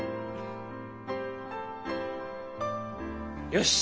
よし！